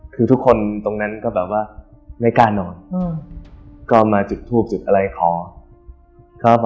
คือทุกคนตรงนั้นก็แบบว่าไม่กล้านอนก็มาจุดทูบจุดอะไรขอครับ